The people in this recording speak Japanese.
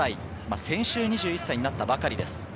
先週２１歳になったばかりです。